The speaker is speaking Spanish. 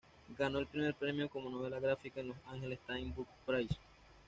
Ganó el primer premio como novela gráfica en Los Angeles Times Book Prize.